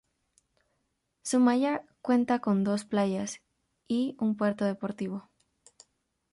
Zumaya cuenta con dos playas y un puerto deportivo.